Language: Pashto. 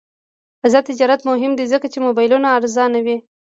آزاد تجارت مهم دی ځکه چې موبایلونه ارزانوي.